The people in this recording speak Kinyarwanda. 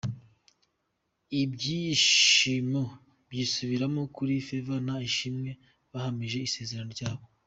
Ibyishimo byisubiramo kuri Favor na Ishimwe bahamije isezerano ryabo.